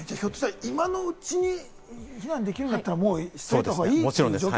今のうちに避難できるんだったら、しておいた方がいいという状況。